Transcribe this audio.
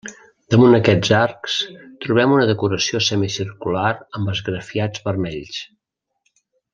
Damunt aquests arcs trobem una decoració semicircular amb esgrafiats vermells.